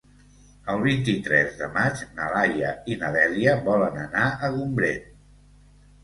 El vint-i-tres de maig na Laia i na Dèlia volen anar a Gombrèn.